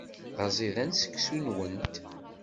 D aẓidan seksu-nwent.